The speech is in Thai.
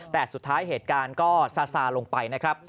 แต่สุดท้ายเหตุการณ์ก็ซาซาลงไปนะครับ